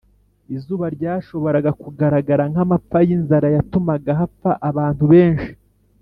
Izuba ryashoboraga kugaragara nk’amapfa y’inzara yatumaga hapfa abantu benshi